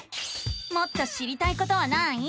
もっと知りたいことはない？